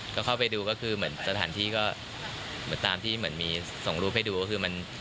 ก็เข้าไปดูก็คือเหมือนสถานที่ก็เหมือนตามที่เหมือนมีส่งรูปให้ดูก็คือมัน